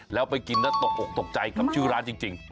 แล้วไปกินก็ตกใจกับชื่อร้านจริง